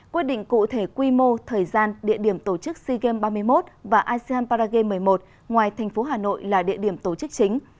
quyết định cụ thể quy mô thời gian địa điểm tổ chức sea games ba mươi một và asean paragame một mươi một ngoài thành phố hà nội là địa điểm tổ chức chính